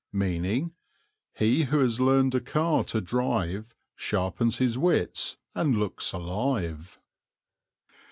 _ He who has learned a car to drive Sharpens his wits and looks alive.